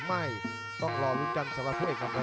ชัลเลนด์ชัลเลนด์ชัลเลนด์ชัลเลนด์